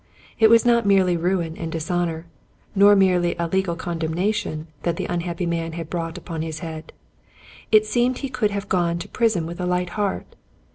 It was not merely ruin and dishonor, nor merely a legal condemnation, that the unhappy man had brought upon his head. It seems he could have gone to prison with a light heart.